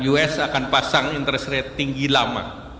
us akan pasang interest rate tinggi lama